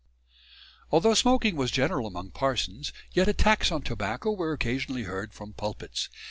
Although smoking was general among parsons, yet attacks on tobacco were occasionally heard from pulpits.